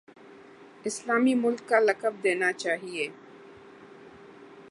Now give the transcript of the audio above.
اسلامی ملک کا لقب دینا چاہیے۔